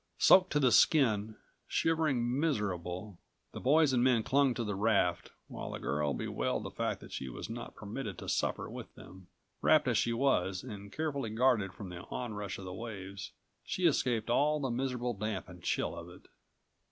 Soaked to the skin, shivering, miserable, the boys and men clung to the raft, while the girl bewailed the fact that she was not permitted to suffer with them. Wrapped as she was, and carefully guarded from the on rush of the waves, she escaped all the miserable damp and chill of it.